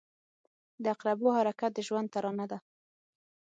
• د عقربو حرکت د ژوند ترانه ده.